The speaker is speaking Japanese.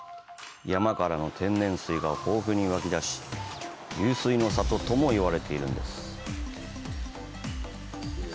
山からの天然水が豊富に湧き出し湧水の郷とも言われているんです。